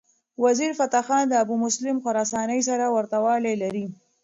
وزیرفتح خان د ابومسلم خراساني سره ورته والی لري.